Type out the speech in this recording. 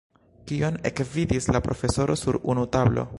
Kion ekvidis la profesoro sur unu tablo?